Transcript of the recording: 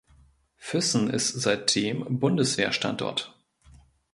Füssen ist seitdem Bundeswehrstandort.